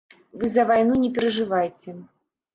Вы за вайну не перажывайце.